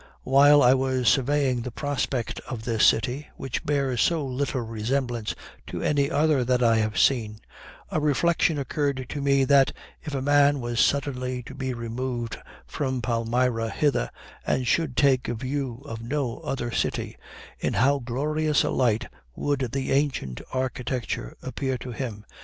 While I was surveying the prospect of this city, which bears so little resemblance to any other that I have ever seen, a reflection occurred to me that, if a man was suddenly to be removed from Palmyra hither, and should take a view of no other city, in how glorious a light would the ancient architecture appear to him!